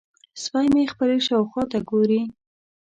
سپی مې خپلې شاوخوا ته ګوري.